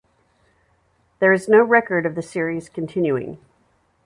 There is no record of the series continuing.